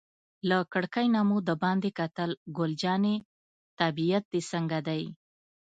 له کړکۍ نه مو دباندې کتل، ګل جانې طبیعت دې څنګه دی؟